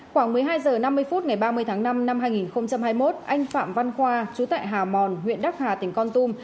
khoảng một mươi hai h năm mươi phút ngày ba mươi tháng năm năm hai nghìn hai mươi một anh phạm văn khoa chú tại hà mòn huyện đắc hà tỉnh con tum